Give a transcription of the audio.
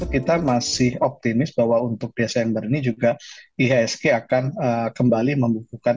kita masih optimis bahwa untuk desember ini juga ihsg akan kembali membukukan